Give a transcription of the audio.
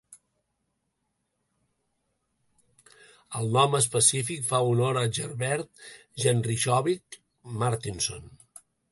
El nom específic fa honor a Gerbert Genrikhovich Martinson.